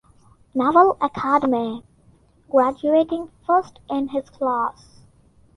Naval Academy, graduating first in his class.